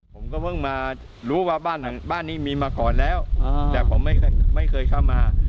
ผมก็เพิ่งมารู้ว่าบ้านนี้มีมาก่อนแล้วแต่ผมไม่เคยเข้ามา